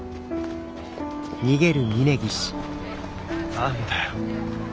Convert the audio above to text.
何だよ。